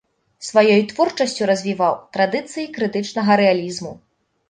Сваёй творчасцю развіваў традыцыі крытычнага рэалізму.